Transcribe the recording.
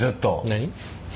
何？